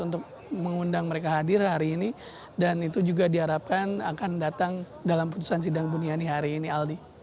untuk mengundang mereka hadir hari ini dan itu juga diharapkan akan datang dalam putusan sidang buniani hari ini aldi